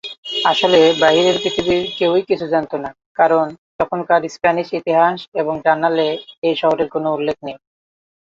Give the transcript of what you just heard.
আসলে বাহিরের পৃথিবীর কেউই কিছু জানত না, কারণ তখনকার স্প্যানিশ ইতিহাস এবং জার্নালে এই শহরের কোনও উল্লেখ নেই।